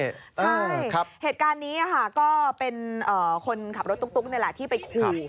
ใช่เหตุการณ์นี้ค่ะก็เป็นคนขับรถตุ๊กนี่แหละที่ไปขู่